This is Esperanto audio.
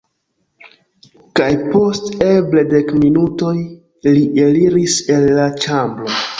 Kaj post eble dek minutoj, li eliris el la ĉambro.